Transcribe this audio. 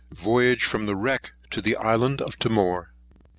VOYAGE FROM THE WRECK TO THE ISLAND OF TIMOR.